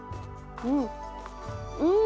うん。